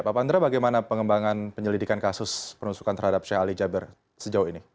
pak pandra bagaimana pengembangan penyelidikan kasus penusukan terhadap sheikh ali jabir sejauh ini